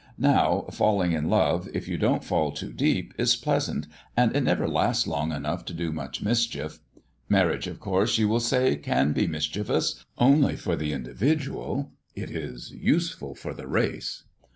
Now, falling in love, if you don't fall too deep, is pleasant, and it never lasts long enough to do much mischief. Marriage, of course, you will say, may be mischievous only for the individual, it is useful for the race.